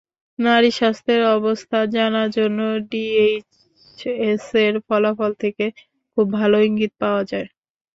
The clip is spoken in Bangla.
নারীস্বাস্থ্যের অবস্থা জানার জন্য ডিএইচএসের ফলাফল থেকে খুব ভালো ইঙ্গিত পাওয়া যায়।